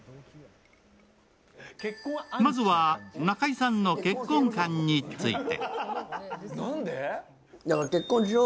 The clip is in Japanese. まずは中居さんの結婚観について。